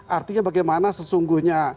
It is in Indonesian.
artinya bagaimana sesungguhnya